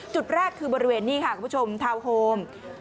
จุดแรกคือบริเวณนี้ค่ะคุณผู้ชมทาวน์โฮม